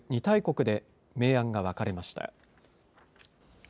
２大国で、明暗が分かれました。